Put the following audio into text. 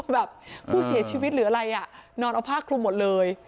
แบบผู้เสียชีวิตหรืออะไรอ่ะนอนเอาผ้าคลุมหมดเลย